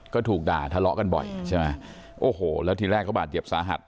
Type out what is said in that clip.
ก็ถูกด่าทะเลาะกันบ่อยใช่ไหมโอ้โหแล้วทีแรกเขาบาดเจ็บสาหัส